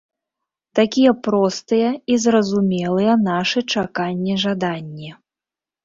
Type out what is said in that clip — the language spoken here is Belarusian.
Такія простыя і зразумелыя нашы чаканні-жаданні.